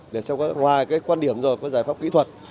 để xem có ngoài cái quan điểm rồi có giải pháp kỹ thuật